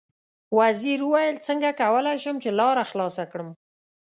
وزیر وویل: څنګه کولای شم چې لاره خلاصه کړم.